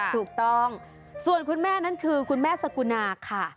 ถูกต้องส่วนคุณแม่นั้นคือคุณแม่สกุณาค่ะ